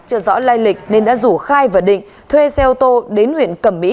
chưa rõ lai lịch nên đã rủ khai và định thuê xe ô tô đến huyện cẩm mỹ